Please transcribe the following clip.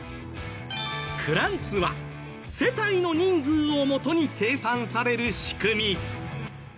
フランスは世帯の人数をもとに計算される仕組み。